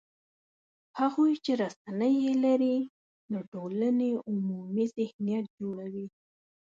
هغوی چې رسنۍ یې لري، د ټولنې عمومي ذهنیت جوړوي